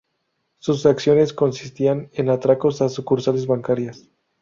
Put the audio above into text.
Sus acciones consistían en atracos a sucursales bancarias.